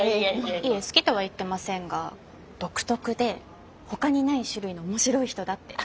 いえ好きとは言ってませんが独特でほかにない種類の面白い人だって。